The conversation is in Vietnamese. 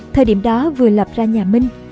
thời điểm đó vừa lập ra nhà minh